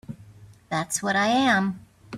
That's what I am.